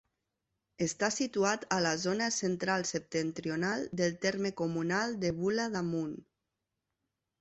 Està situat a la zona central-septentrional del terme comunal de Bula d'Amunt.